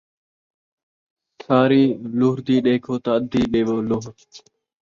ساری لڑھدی ݙیکھو تاں ادھی ݙیو لوڑھ